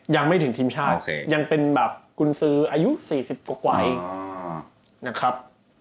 ยังไม่ถึงทีมชาติยังเป็นแบบกุญสืออายุ๔๐กว่าเองนะครับ